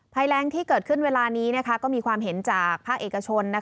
แรงที่เกิดขึ้นเวลานี้ก็มีความเห็นจากภาคเอกชน